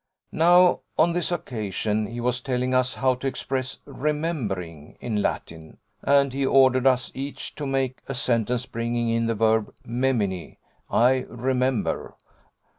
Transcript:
Now, on this occasion he was telling us how to express remembering in Latin: and he ordered us each to make a sentence bringing in the verb memini, "I remember."